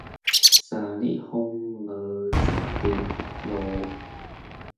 三日風無一滴露